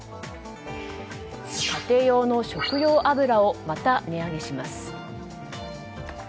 家庭用の食用油をまた値上げします。